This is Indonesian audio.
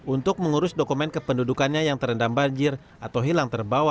untuk mengurus dokumen kependudukannya yang terendam banjir atau hilang terbawa